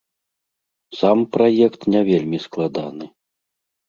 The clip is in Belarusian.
Сам праект не вельмі складаны.